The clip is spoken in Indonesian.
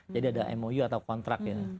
ada mou atau kontrak ya